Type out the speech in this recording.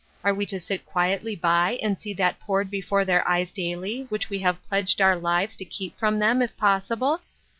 Are we to sit quietly by and see that poured before their eyes daily which we have pledged our lives to keep from them, if possible